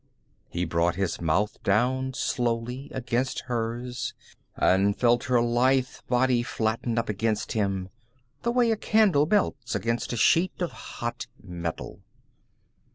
He brought his mouth down slowly against hers and felt her lithe body flatten up against him the way a candle melts against a sheet of hot metal.